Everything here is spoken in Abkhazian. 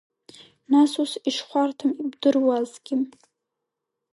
Нас ус ишхәарҭам бдыруазҭгьы…